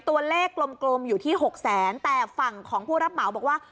ตัวเลขกลมอยู่ที่หกแสนแต่ฝั่งของผู้รับเหมาบอกว่า